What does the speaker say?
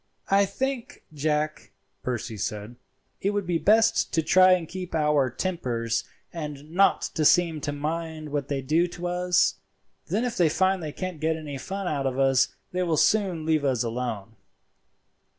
"I think, Jack," Percy said, "it will be best to try and keep our tempers and not to seem to mind what they do to us; then if they find they can't get any fun out of us they will soon leave us alone."